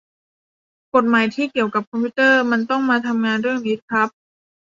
กฎหมายที่เกี่ยวกับคอมพิวเตอร์มันต้องมาทำงานเรื่องนี้ครับ